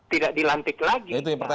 tidak dilantik lagi